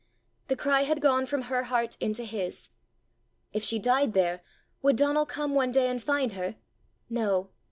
The cry had gone from her heart into his! If she died there, would Donal come one day and find her? No!